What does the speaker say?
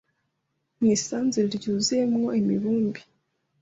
mu isanzure ryuzuyemo imibumbe